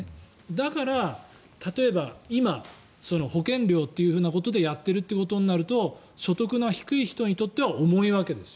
だから、例えば今、保険料ということでやっているということになると所得が低い人にとっては重いわけです。